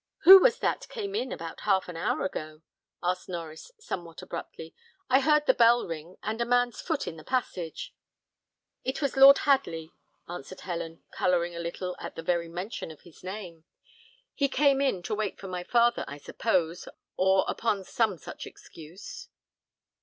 "Who was that came in about half an hour ago?" asked Norries, somewhat abruptly. "I heard the bell ring, and a man's foot in the passage." "It was Lord Hadley," answered Helen, colouring a little at the very mention of his name. "He came in to to wait for my father, I suppose, or upon some such excuse."